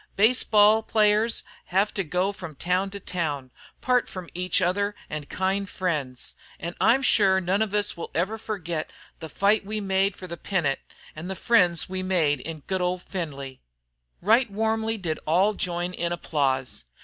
Baseball players hev to go from town to town an' part from each other an' kind friends. An' I'm sure none of us will ever forgit the fight we made fer the pennant an' the friends we made in good old Findlay." Right warmly did all join in applause.